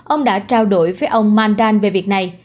ông đã trao đổi với ông mandan về việc này